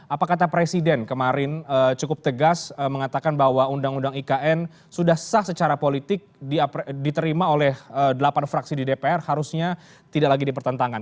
apa kata presiden kemarin cukup tegas mengatakan bahwa undang undang ikn sudah sah secara politik diterima oleh delapan fraksi di dpr harusnya tidak lagi dipertentangan